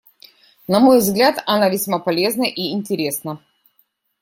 На мой взгляд, она весьма полезна и интересна.